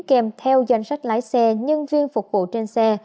kèm theo danh sách lái xe nhân viên phục vụ trên xe